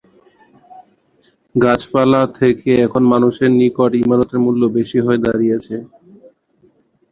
গাছপালা থেকে এখন মানুষের নিকট ইমারতের মূল্য বেশি হয়ে দাঁড়িয়েছে।